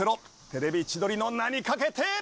『テレビ千鳥』の名にかけて！